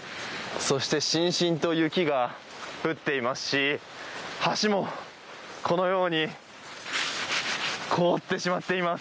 そしてしんしんと雪が降っていますし橋もこのように凍ってしまっています。